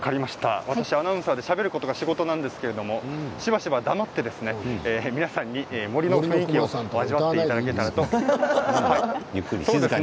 私はアナウンサーでしゃべることが仕事なんですがしばし黙って皆さんに森の雰囲気を味わっていただこうと思います。